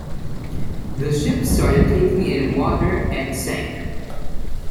The ship started taking in water and sank.